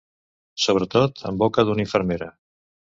Sobretot en boca d'una infermera.